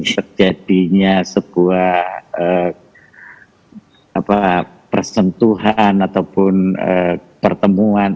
terjadinya sebuah persentuhan ataupun pertemuan